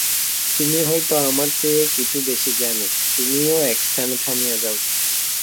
তুমি হয়তো আমার চেয়ে কিছু বেশী জ্ঞানী, তুমিও একস্থানে থামিয়া যাও।